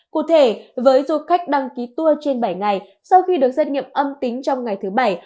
cụ thể với du khách đăng ký tour trên bảy ngày sau khi được xét nghiệm âm tính trong ngày thứ bảy